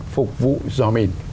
phục vụ dò mình